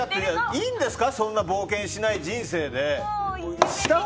いいんですかそんな冒険しない人生で。